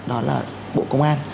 đó là bộ công an